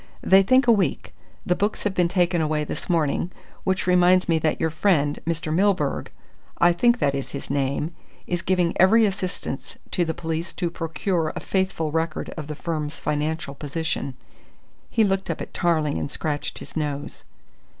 "They think a week. The books have been taken away this morning which reminds me that your friend, Mr. Milburgh I think that is his name is giving every assistance to the police to procure a faithful record of the firm's financial position." He looked up at Tarling and scratched his nose.